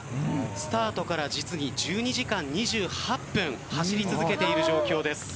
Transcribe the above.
スタートから実に１２時間２８分走り続けている状況です。